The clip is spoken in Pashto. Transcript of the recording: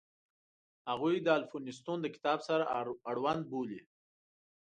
هغوی د الفونستون د کتاب سره اړوند بولي.